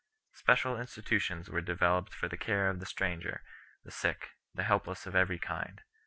Special insti tutions were developed for the care of the stranger, the sick, the helpless of every kind.